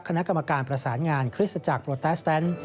คณะกรรมการประสานงานคริสตจักรโปรแตสแตน